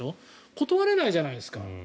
断れないじゃないですか。